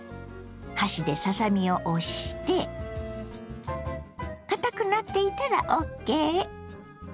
箸でささ身を押してかたくなっていたらＯＫ。